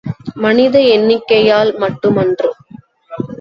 மனித எண்ணிக்கையால் மட்டுமன்று.